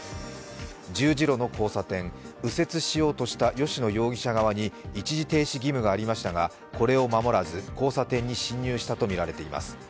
十字路の交差点右折しようとした吉野容疑者側に一時停止義務がありましたがこれを守らず、交差点に進入したとみられています。